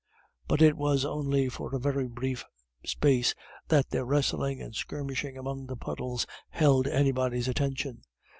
But it was only for a very brief space that their wrestling and skirmishing among the puddles held anybody's attention.